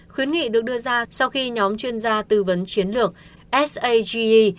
khuyến nghị được đưa ra sau khi nhóm chuyên gia tư vấn chiến lược sage